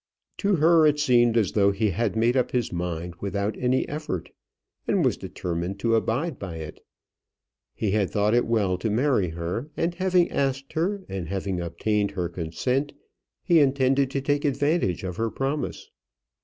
To her it seemed as though he had made up his mind without any effort, and was determined to abide by it. He had thought it well to marry her; and having asked her, and having obtained her consent, he intended to take advantage of her promise.